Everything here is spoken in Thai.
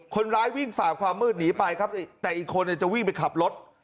คนร้ายวิ่งฝ่าความมืดหนีไปครับแต่อีกคนจะวิ่งไปขับรถ